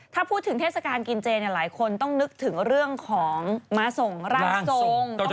ถ้าพูดถึงเทศกาลกินเจหลายคนต้องนึกถึงเรื่องของม้าส่งร่างทรง